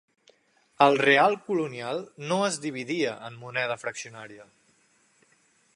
El real colonial no es dividia en moneda fraccionària.